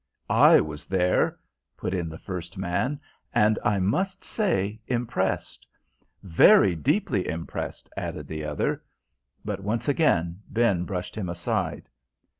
"I was there," put in the first man, "and I must say, impressed " "Very deeply impressed," added the other; but once again Ben brushed him aside.